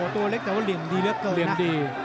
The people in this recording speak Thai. โอ้โหตัวเล็กแต่ว่าเหลี่ยมดีเยอะเกินนะ